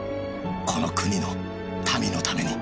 この国の民のために！